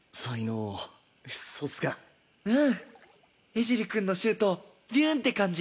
江尻くんのシュートビューン！って感じ。